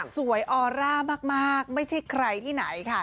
ออร่ามากไม่ใช่ใครที่ไหนค่ะ